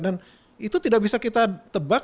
itu tidak bisa kita tebak